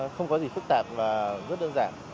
không có gì phức tạp và rất đơn giản